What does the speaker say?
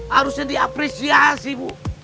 harusnya dia apresiasi bu